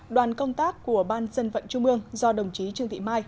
đoàn công tác của ban dân vận trung ương do đồng chí trương thị mai